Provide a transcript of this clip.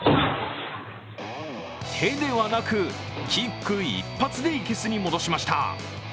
手ではなく、キック一発で生けすに戻しました。